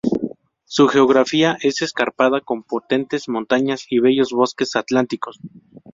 Su geografía es escarpada, con potentes montañas y bellos bosques atlánticos.